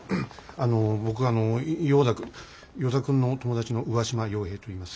あの僕あのヨーダ君依田君の友達の上嶋陽平といいます。